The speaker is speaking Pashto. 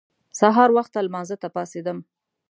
سهار وخته لمانځه ته پاڅېدم.